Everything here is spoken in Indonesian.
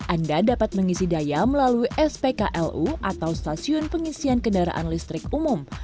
anda dapat mengisi daya melalui spklu atau stasiun pengisian kendaraan listrik umum